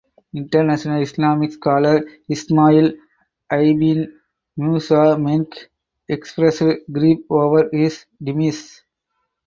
International Islamic scholar Ismail ibn Musa Menk expressed grief over his demise.